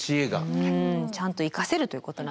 ちゃんと生かせるということなんですよね。